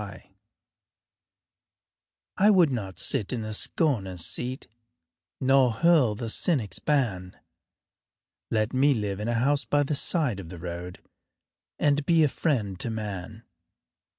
I would not sit in the scorner's seat Nor hurl the cynic's ban Let me live in a house by the side of the road And be a friend to man.